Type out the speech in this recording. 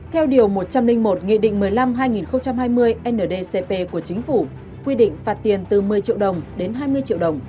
theo điều một trăm linh một nghị định một mươi năm hai nghìn hai mươi ndcp của chính phủ quy định phạt tiền từ một mươi triệu đồng đến hai mươi triệu đồng